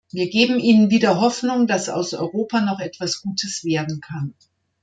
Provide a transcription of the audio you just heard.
Wir geben Ihnen wieder Hoffnung, dass aus Europa noch etwas Gutes werden kann!